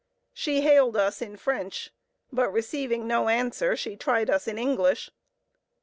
She hailed us in French, but receiving no answer, she tried us in English.